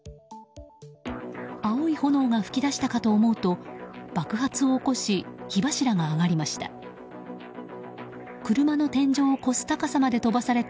青い炎が噴き出したかと思うと爆発を起こし火柱が上がりました。